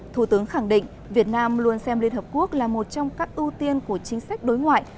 thủ tướng khẳng định việt nam luôn xem liên hợp quốc là một trong các ưu tiên của chính sách đối ngoại